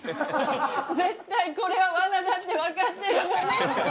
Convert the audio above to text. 絶対これはわなだって分かってるのに。